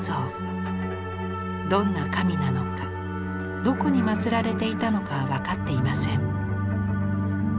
どんな神なのかどこに祀られていたのかは分かっていません。